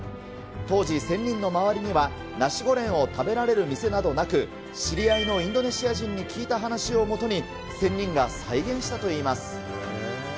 当時、仙人の周りには、ナシゴレンを食べられる店などなく、知り合いのインドネシア人に聞いた話をもとに、仙人が再現したといいます。